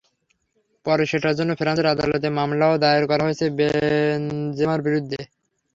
পরে সেটার জন্য ফ্রান্সের আদালতে মামলাও দায়ের করা হয়েছে বেনজেমার বিরুদ্ধে।